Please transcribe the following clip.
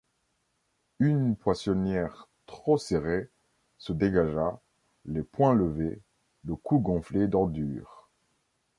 Une poissonnière trop serrée, se dégagea, les poings levés, le cou gonflé d’ordures.